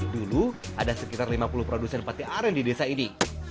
dulu ada sekitar lima puluh produsen pate aren di desa ini